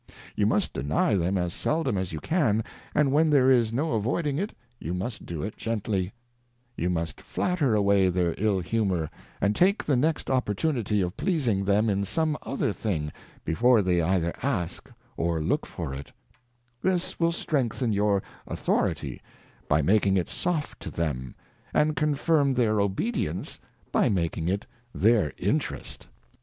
You must deny them as seldom as you can, and when there is no avoiding it, you must do it gently ; you must flatter away their ill Humourj and take the next Opportunity of pleasing them in some other thing, before they either ask or look for it : This^wiU strengthen your Authority, by making it soft to them ; and confirm their Obedience, by making it their Interest.